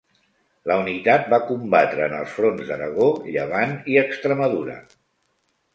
La unitat va combatre en els fronts d'Aragó, Llevant i Extremadura.